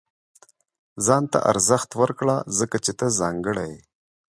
• ځان ته ارزښت ورکړه، ځکه چې ته ځانګړی یې.